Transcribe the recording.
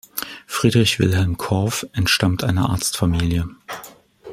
Friedrich Wilhelm Korff entstammt einer Arztfamilie.